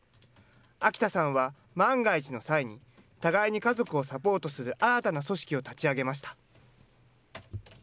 秋田さんは、万が一の際に、互いに家族をサポートする新たな組織を立ち上げました。